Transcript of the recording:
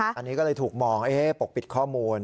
อันนี้ก็เลยถูกมองปกปิดข้อมูล